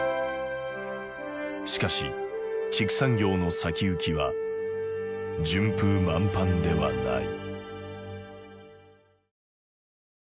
しかし畜産業の先行きは順風満帆ではない。